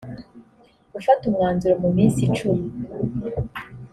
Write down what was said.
gufata umwanzuro mu minsi icumi